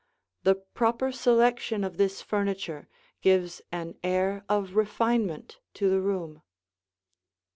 The proper selection of this furniture gives an air of refinement to the room.